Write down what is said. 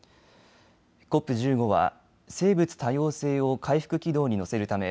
ＣＯＰ１５は生物多様性を回復軌道に乗せるため